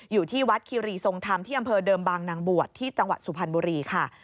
อยู่ที่วัดคิรีทรงธรรมที่อำเภอเดิมบางนางบวชที่จังหวัดสุพรรณบุรีค่ะ